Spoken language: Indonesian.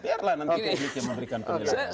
biar lah nanti ini yang memberikan penjelasan